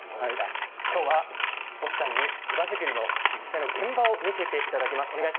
きょうは越智さんに湯葉作りの実際の現場を見せていただきます。